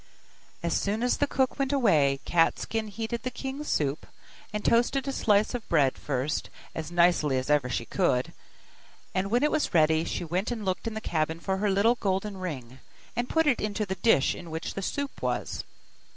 As soon as the cook went away, Cat skin heated the king's soup, and toasted a slice of bread first, as nicely as ever she could; and when it was ready, she went and looked in the cabin for her little golden ring, and put it into the dish in which the soup was.